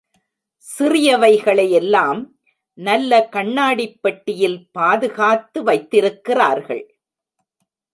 சிறியவைகளை எல்லாம், நல்ல கண்ணாடிப் பெட்டியில் பாதுகாத்து வைத்திருக்கிறார்கள்.